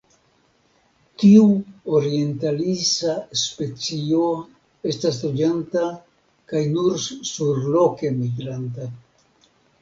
Tiu orientalisa specio estas loĝanta kaj nur surloke migranta.